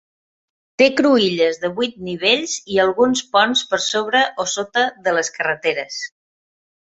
Té cruïlles de vuit nivells i alguns ponts per sobre o sota de les carreteres.